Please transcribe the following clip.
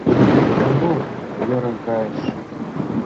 — Сану?! — ӧрын кайыш.